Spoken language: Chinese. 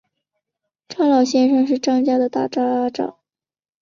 张老先生是张家的大家长